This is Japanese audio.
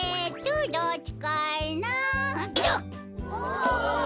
お。